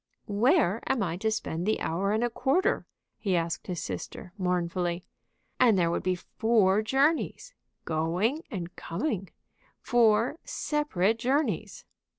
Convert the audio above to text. "Where am I to spend the hour and a quarter?" he asked his sister, mournfully. "And there would be four journeys, going and coming, four separate journeys!"